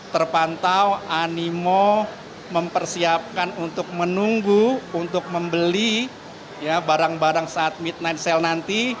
terpantau animo mempersiapkan untuk menunggu untuk membeli barang barang saat midnight sale nanti